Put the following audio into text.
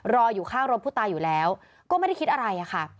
อยู่ข้างรถผู้ตายอยู่แล้วก็ไม่ได้คิดอะไรอะค่ะ